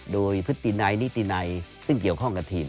โดยพฤตินัยนิตินัยซึ่งเกี่ยวข้องกับทีม